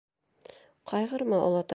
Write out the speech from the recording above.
— Ҡайғырма, олатай.